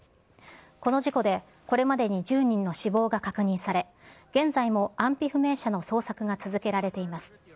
この事故でこれまでに１０人の死亡が確認され、現在も安否不明者の捜索が続けられています。